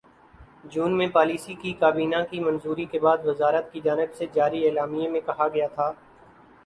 جون میں پالیسی کی کابینہ کی منظوری کے بعد وزارت کی جانب سے جاری اعلامیے میں کہا گیا تھا